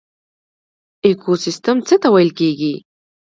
ایکوسیستم څه ته ویل کیږي